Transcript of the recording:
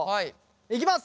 いきます。